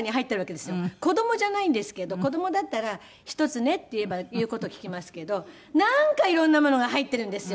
子どもじゃないんですけど子どもだったら「１つね」って言えば言う事聞きますけどなんかいろんなものが入ってるんですよ。